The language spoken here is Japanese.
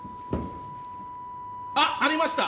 あありました！